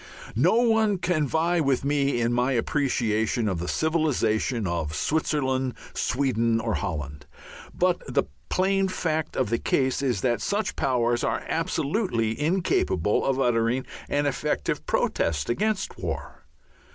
No one can vie with me in my appreciation of the civilization of Switzerland, Sweden, or Holland, but the plain fact of the case is that such powers are absolutely incapable of uttering an effective protest against war.